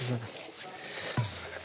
すいません。